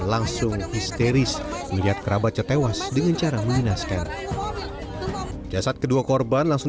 langsung histeris melihat kerabatnya tewas dengan cara menginaskan jasad kedua korban langsung